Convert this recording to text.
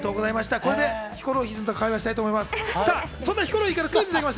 これでヒコロヒーと会話してみたいと思います。